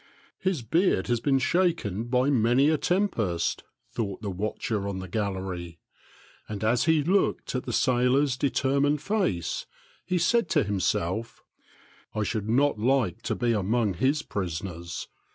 " His beard has been shaken by many a tem pest," thought the watcher on the gallery; and as he looked at the sailor's determined face, he said to him self, " I should not like to be among his prisoners.